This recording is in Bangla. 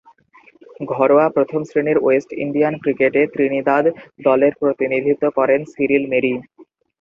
ঘরোয়া প্রথম-শ্রেণীর ওয়েস্ট ইন্ডিয়ান ক্রিকেটে ত্রিনিদাদ দলের প্রতিনিধিত্ব করেন সিরিল মেরি।